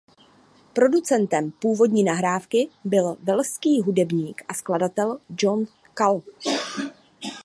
Producentem původní nahrávky byl velšský hudebník a skladatel John Cale.